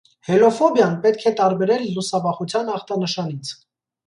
Հելոֆոբիան պետք է տարբերել լուսավախության ախտանշանից։